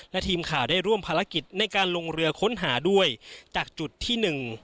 และทีมข่าวได้ร่วมภารกิจในการลงเรือค้นหาด้วยจากจุดที่หนึ่ง